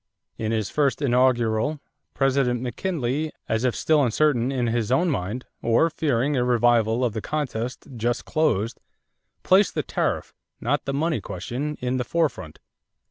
In his first inaugural President McKinley, as if still uncertain in his own mind or fearing a revival of the contest just closed, placed the tariff, not the money question, in the forefront.